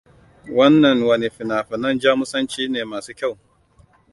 Wannan wane fina-finan Jamusanci ne masu kyau?